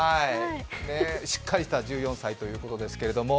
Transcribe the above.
しっかりした１４歳ということですけれども。